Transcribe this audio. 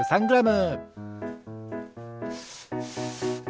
２３グラム。